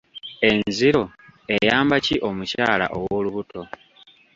Enziro eyamba ki omukyala ow'olubuto?